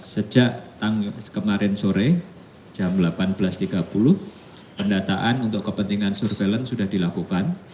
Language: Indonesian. sejak kemarin sore jam delapan belas tiga puluh pendataan untuk kepentingan surveillance sudah dilakukan